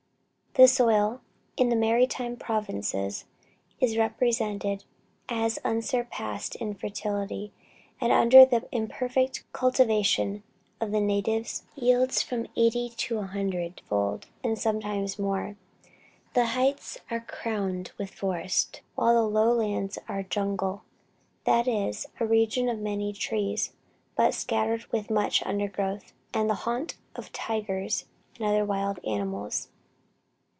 The soil, in the maritime provinces, is represented as unsurpassed in fertility, and under the imperfect cultivation of the natives, yields from eighty to a hundred fold, and sometimes more. The heights are crowned with forests, while the low lands are jungle, that is, "a region of many trees, but scattered; with much undergrowth;" and the haunt of tigers and other wild animals.